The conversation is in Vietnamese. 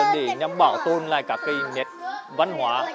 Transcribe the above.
để nhằm bảo tồn lại các cái văn hóa